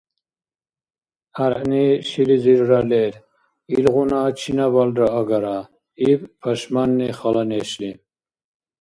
— ГӀяргӀни шилизирра лер, илгъуна — чинабалра агара, — иб пашманни хала нешли.